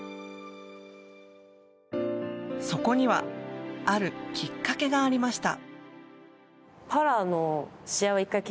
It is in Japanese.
そこにはあるきっかけがありました。